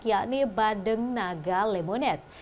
yakni bandeng naga lemonade